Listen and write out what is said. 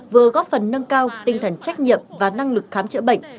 vừa góp phần nâng cao tinh thần trách nhiệm và năng lực khám chữa bệnh